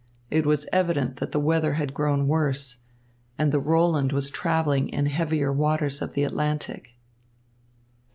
It was evident that the weather had grown worse and the Roland was travelling in heavier waters of the Atlantic.